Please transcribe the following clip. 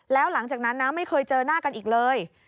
แล้วหลังจากนั้นนะไม่เคยเจอหน้ากันอีกเลย